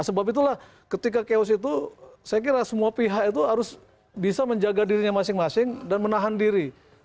sebab itulah ketika chaos itu saya kira semua pihak itu harus bisa menjaga dirinya masing masing dan menahan diri